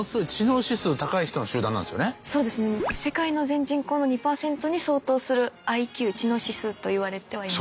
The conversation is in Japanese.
世界の全人口の２％に相当するＩＱ知能指数といわれてはいます。